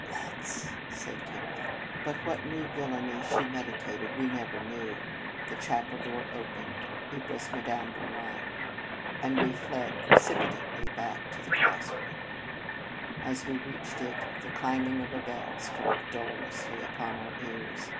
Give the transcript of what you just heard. " Let s "* said Tony. But what new villainy she medi tated, we never knew. The chapel door opened, it was Madame Bou ron, and we fled precipitately back to the schoolroom. As we reached it, the clanging of a bell struck dolor ously upon our ears.